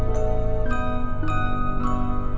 ya aku mau makan